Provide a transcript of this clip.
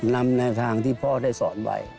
นำแนวทางที่พ่อได้สอนไว้